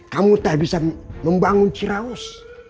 kamu tak bisa membangun ciraus